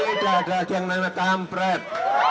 tidak ada lagi yang namanya kampret